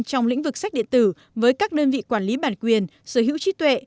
trong lĩnh vực sách điện tử với các đơn vị quản lý bản quyền sở hữu trí tuệ